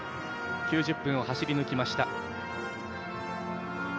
９０分を走り抜きました。